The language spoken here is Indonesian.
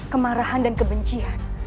kemarahan dan kebencian